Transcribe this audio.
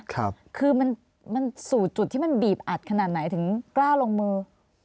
คือมันมันสู่จุดที่มันบีบอัดขนาดไหนถึงกล้าลงมือ